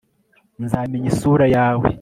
nzamenya isura yawe